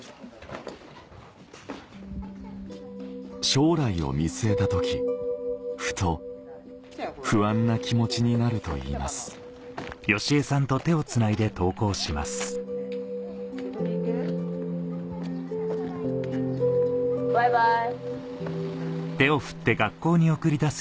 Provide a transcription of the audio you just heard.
将来を見据えた時ふと不安な気持ちになるといいますバイバイ！